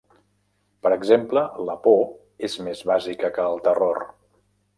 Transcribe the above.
Per exemple, la por és més bàsica que el terror.